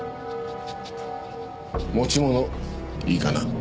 持ち物いいかな？